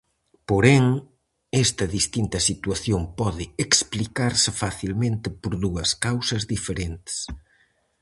Porén, esta distinta situación pode explicarse facilmente por dúas causas diferentes.